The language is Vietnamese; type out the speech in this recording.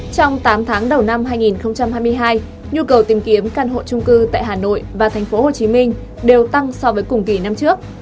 trong tám tháng đầu năm hai nghìn hai mươi hai nhu cầu tìm kiếm căn hộ trung cư tại hà nội và tp hcm đều tăng so với cùng kỳ năm trước